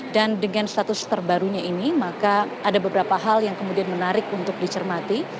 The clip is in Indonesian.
dan dengan status terbarunya ini maka ada beberapa hal yang kemudian menarik untuk dicermati